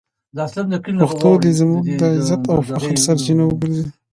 پښتو دې زموږ د عزت او فخر سرچینه وګرځي.